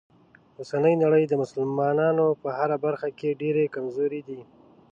اوسنۍ نړۍ مسلمانان په هره برخه کې ډیره کمزوری دي.